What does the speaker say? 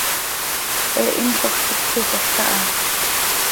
He hinloj síticol caha.